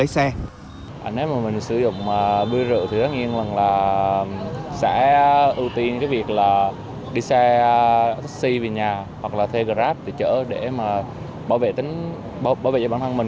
sẽ ưu tiên cái việc là đi xe taxi về nhà hoặc là thê grab từ chợ để mà bảo vệ bản thân mình